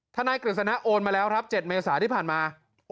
ทนกริสนะโอนมาแล้วครับ๗มีศาสตร์ที่ผ่านมา